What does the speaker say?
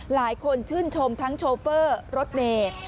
หลายคนชื่นชมทั้งโชเฟอร์รถเมย์